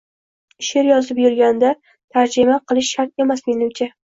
She’r yozib turganda tarjima qilish shart emas, menimcha.